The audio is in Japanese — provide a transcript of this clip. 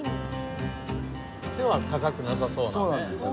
背は高くなさそうなね。